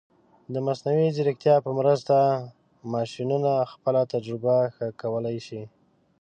د مصنوعي ځیرکتیا په مرسته، ماشینونه خپله تجربه ښه کولی شي.